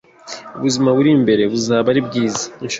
ubuzima buri imbere buzaba ari bwiza.